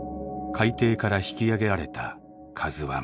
海底から引き揚げられたＫＡＺＵⅠ。